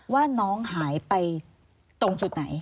ว่าน้องหายไปตรงจุดไหน